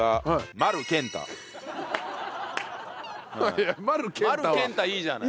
丸健太いいじゃない。